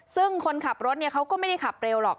ซึ่งคนขับรถเขาก็ไม่ได้ขับเร็วหรอก